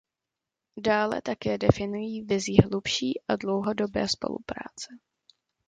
Dále také definují vizi hlubší a dlouhodobé spolupráce.